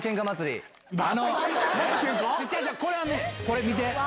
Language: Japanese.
これ見て！